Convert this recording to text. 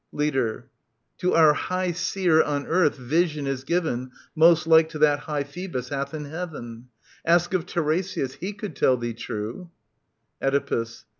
Leader. To our High Seer on earth vision is given Most like to that High Phoebus hath in heaven. Ask of Tiresias : he could tell thee true. Oedipus.